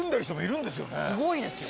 すごいですよね。